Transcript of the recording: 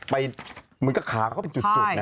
ไปเหมือนกับขาก็เป็นจุดนะฮะ